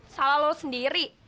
salah lo sendiri